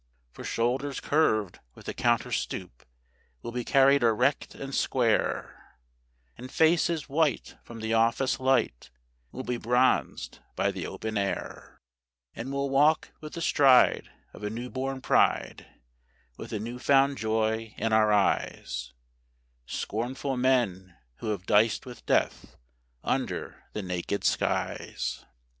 For shoulders curved with the counter stoop will be carried erect and square; And faces white from the office light will be bronzed by the open air; And we'll walk with the stride of a new born pride, with a new found joy in our eyes, Scornful men who have diced with death under the naked skies.